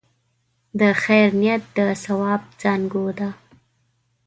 د خیر نیت د ثواب زانګو ده.